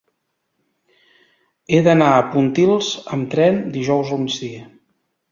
He d'anar a Pontils amb tren dijous al migdia.